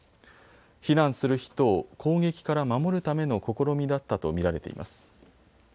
避難する人を攻撃から守るための試みだったと見られています。